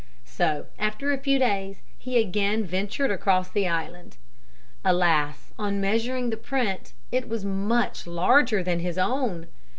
So, after a few days, he again ventured across the island. Alas, on measuring the print it was much larger than his own!